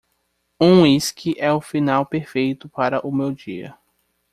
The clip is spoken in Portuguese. Um uísque é o final perfeito para o meu dia.